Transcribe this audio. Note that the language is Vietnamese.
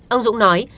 ông dũng nói